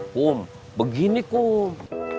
kum begini kum